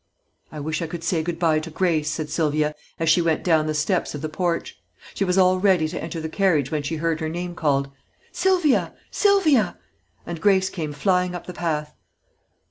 "I wish I could say good bye to Grace," said Sylvia as she went down the steps of the porch. She was all ready to enter the carriage when she heard her name called: "Sylvia! Sylvia!" and Grace came flying up the path.